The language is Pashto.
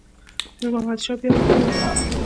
نور محمد شاه بیا ورته وویل.